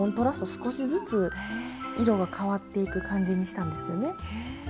少しずつ色がかわっていく感じにしたんですよね。